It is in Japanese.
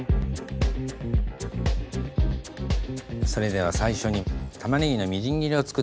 それでは最初に玉ねぎのみじん切りを作っていきます。